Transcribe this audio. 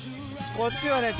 こっちはね